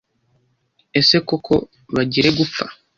Ese koko bagire gupfa